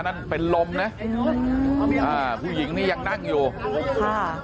โเปนรมน่ะอืมอ่าผู้หญิงนี่ยังนั่งอยู่ครับ